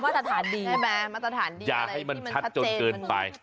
เรามาสันหาดีแล้วก็จะอย่าให้มันชัดจนเกินไป